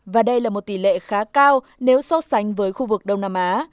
và đây là một tỷ lệ khá cao nếu so sánh với khu vực đông nam á